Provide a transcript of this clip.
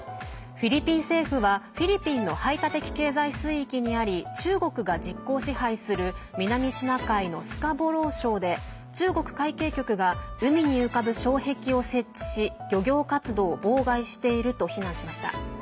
フィリピン政府はフィリピンの排他的経済水域にあり中国が実効支配する南シナ海のスカボロー礁で中国海警局が海に浮かぶ障壁を設置し漁業活動を妨害していると非難しました。